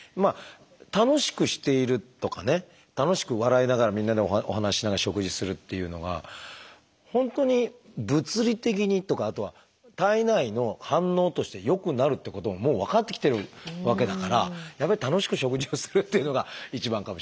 楽しくしているとかね楽しく笑いながらみんなでお話ししながら食事するっていうのが本当に物理的にとかあとは体内の反応として良くなるってことはもう分かってきてるわけだからやっぱり楽しく食事をするっていうのが一番かもしれませんね。